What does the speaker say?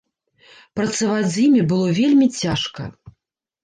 Працаваць з імі было вельмі цяжка.